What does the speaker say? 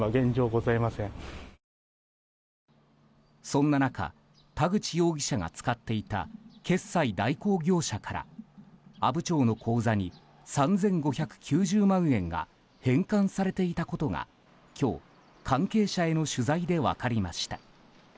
そんな中、田口容疑者が使っていた決済代行業者から阿武町の口座に３５９０万円が返還されていたことが、今日関係者への取材で分かりました。